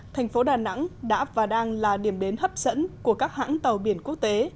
thành phố đà nẵng đã và đang là điểm đến hấp dẫn của các hãng tàu biển quốc tế